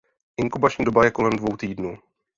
Inkubační doba je kolem dvou týdnů.